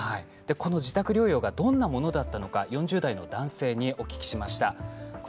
この自宅療養がどんなものだったのか４０代の男性にお聞きしました。